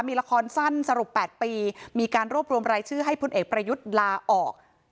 มีละครสั้นสรุป๘ปีมีการรวบรวมรายชื่อให้พลเอกประยุทธ์ลาออก